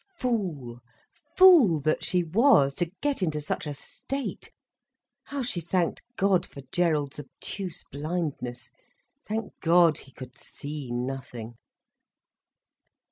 Fool, fool that she was, to get into such a state! How she thanked God for Gerald's obtuse blindness. Thank God he could see nothing.